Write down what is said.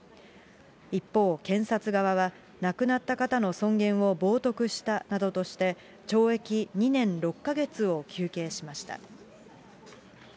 一方、検察側は、亡くなった方の尊厳を冒とくしたなどとして、懲役２年６か月を求刑しました。